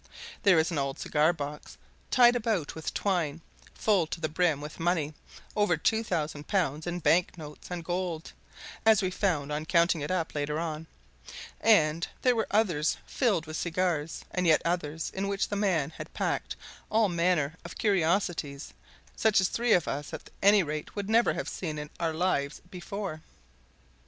There was an old cigar box, tied about with twine, full to the brim with money over two thousand pounds in bank notes and gold, as we found on counting it up later on, and there were others filled with cigars, and yet others in which the man had packed all manner of curiosities such as three of us at any rate had never seen in our lives before.